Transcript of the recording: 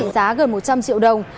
đá gần một trăm linh triệu đồng